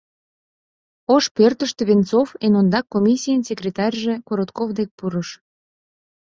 Ош пӧртыштӧ Венцов эн ондак комиссийын секретарьже Коротков дек пурыш.